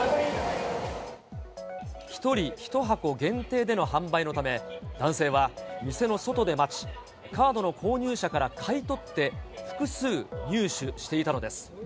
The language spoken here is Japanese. １人１箱限定での販売のため、男性は店の外で待ち、カードの購入者から買い取って複数入手していたのです。